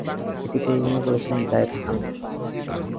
এটি প্রযোজনা করেছেন জায়েদ খান।